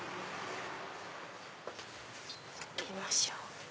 行きましょう。